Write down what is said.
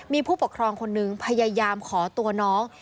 มีผู้ปกครองคนนึงพยายามขอตัวน้อง